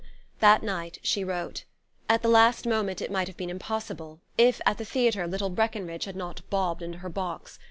That night she wrote. At the last moment it might have been impossible, if at the theatre little Breckenridge had not bobbed into her box.